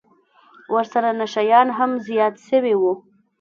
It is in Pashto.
ورسره نشه يان هم زيات سوي وو.